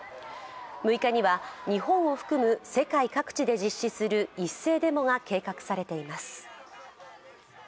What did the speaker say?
６日には、日本を含む世界各地で実施する一斉デモが計画されています。